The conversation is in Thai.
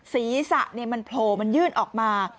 ศีรษะมันโผล่มันยื่นออกมา